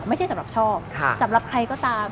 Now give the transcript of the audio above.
ไม่ใช่สำหรับชอบสำหรับใครก็ตาม